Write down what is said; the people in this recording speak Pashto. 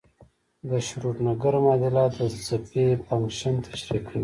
د شروډنګر معادله د څپې فنکشن تشریح کوي.